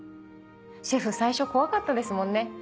シェフ最初怖かったですもんね。